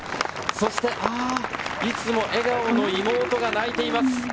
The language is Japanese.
そしていつも笑顔の妹が泣いています。